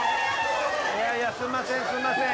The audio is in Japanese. いやいやすんませんすんません。